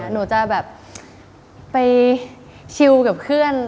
หนูจะแบบไปชิลกับเพื่อน